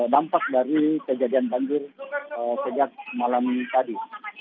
dampak dari kejadian banjir sejak malam tadi